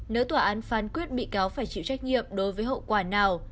nếu tòa án phán quyết bị cáo phải chịu trách nhiệm đối với hậu quả nào